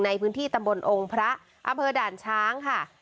ในพื้นที่ตำบลองค์พระอำเภอด่านช้างค่ะ